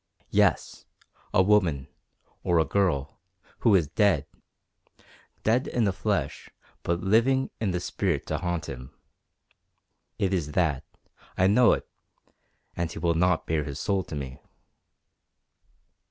"Yes, a woman or a girl who is dead; dead in the flesh, but living in the spirit to haunt him. It is that. I know it. And he will not bare his soul to me."